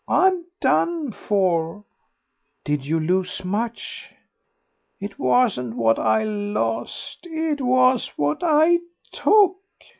I'm done for." "Did you lose much?" "It wasn't what I lost, it was what I took.